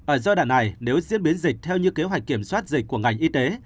ở giai đoạn này nếu diễn biến dịch theo như kế hoạch kiểm soát dịch của ngành y tế